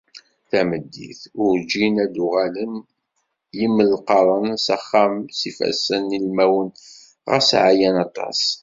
Tameddit, urǧin ad d-uɣalen yimelqaḍen s axxam s yifassen ilmawen ɣas ɛyan aṭas.